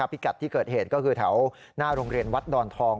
พิกัดที่เกิดเหตุก็คือแถวหน้าโรงเรียนวัดดอนทอง